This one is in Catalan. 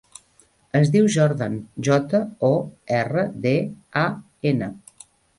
Es diu Jordan: jota, o, erra, de, a, ena.